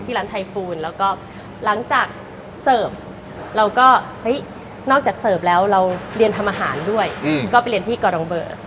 ร้านไทคูณแล้วก็หลังจากเสิร์ฟเราก็เฮ้ยนอกจากเสิร์ฟแล้วเราเรียนทำอาหารด้วยก็ไปเรียนที่กอดองเบอร์